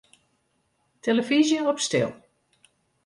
Tillefyzje op stil.